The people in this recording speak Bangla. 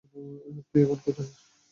তুই এখন কোথায়?